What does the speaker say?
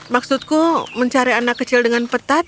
maksudku mencari anak kecil dengan petat